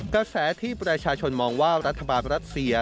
กษะที่ที่ให้ประชาชนมองว่ารัฐบาลรัฐเสีย